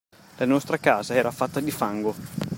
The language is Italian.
La nostra casa era fatta di fango.